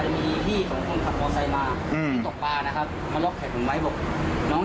มีไงอยู่ข้างล่าง